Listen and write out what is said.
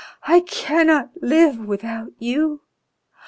I cannot live without you.